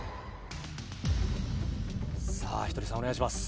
ひとりさん、お願いします。